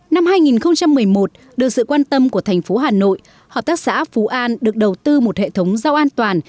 năm hai nghìn một mươi một được sự quan tâm của thành phố hà nội hợp tác xã phú an được đầu tư một hệ thống rau an toàn